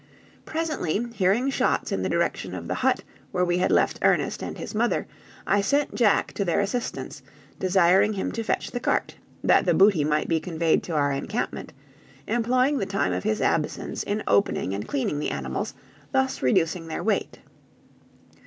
Presently, hearing shots in the direction of the hut where we had left Ernest and his mother, I sent Jack to their assistance, desiring him to fetch the cart, that the booty might be conveyed to our encampment, employing the time of his absence in opening and cleaning the animals, thus reducing their weight.